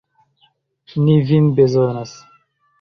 Ni vin bezonas!